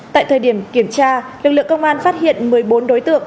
tại thời điểm kiểm tra lực lượng công an phát hiện một mươi bốn đối tượng